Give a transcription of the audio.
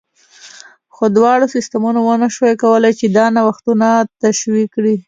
خو دواړو سیستمونو ونه شوای کولای چې نوښتونه تشویق کړي